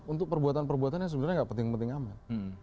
untuk perbuatan perbuatan yang sebenarnya tidak penting penting amat